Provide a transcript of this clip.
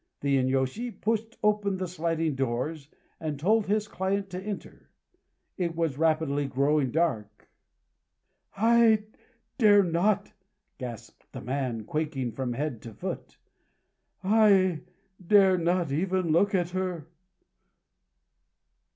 The inyôshi pushed open the sliding doors, and told his client to enter. It was rapidly growing dark. "I dare not!" gasped the man, quaking from head to foot; "I dare not even look at her!"